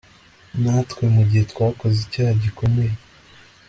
Natwe mu gihe twakoze icyaha gikomeye